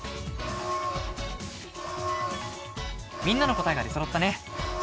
みんなの答えが出そろったね。